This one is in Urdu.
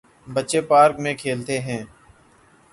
بچے پارک میں کھیلتے ہیں۔